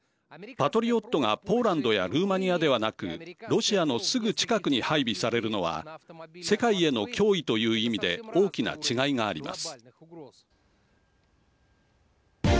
パトリオットがポーランドやルーマニアではなくロシアのすぐ近くに配備されるのは世界への脅威という意味で大きな違いがあります。